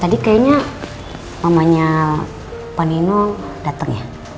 tadi kayaknya mamanya pak nino datang ya